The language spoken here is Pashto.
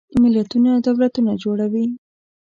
ملتونه دولتونه جوړوي.